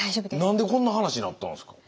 何でこんな話になったんですか？